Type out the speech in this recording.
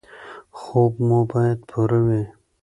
خوب مو باید پوره وي.